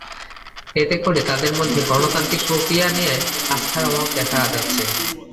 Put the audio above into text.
এতে করে তাঁদের মধ্যে গণতান্ত্রিক প্রক্রিয়া নিয়ে আস্থার অভাব দেখা যাচ্ছে।